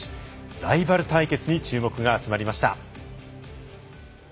ライバル対決に注目が集まりました。